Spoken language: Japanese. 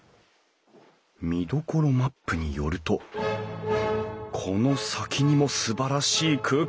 見どころマップによるとこの先にもすばらしい空間が。